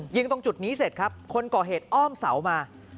ยิงตรงจุดนี้เสร็จครับคนก่อเหตุอ้อมเสามา